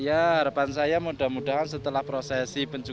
ya harapan saya mudah mudahan setelah prosesi penjualan